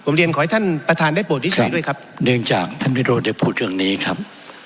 ไม่เป็นประโยชน์ครับ